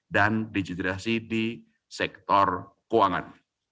dan digitalisasi di sektor keuangan